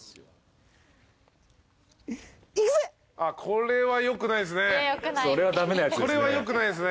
これはよくないですね。